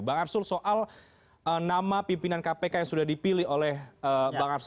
bang arsul soal nama pimpinan kpk yang sudah dipilih oleh bang arsul